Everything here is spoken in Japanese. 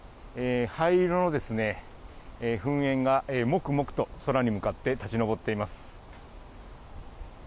灰色の噴煙がもくもくと空に向かって立ち上っています。